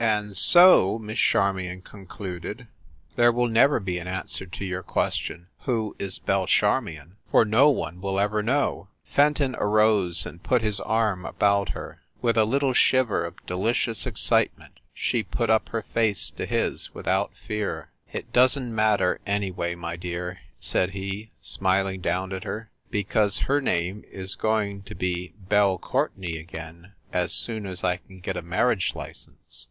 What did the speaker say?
"And so," Miss Charmion concluded, "there will never be an answer to your question Who is Belle Charmion ? for no one will ever know." Fenton arose and put his arm about her. With a little shiver of delicious excitement she put up her face to his without fear. "It doesn t matter, anyway, my dear," said he, smiling down at her, "because her name is going to be Belle Courtenay again as soon as I can get a marriage license!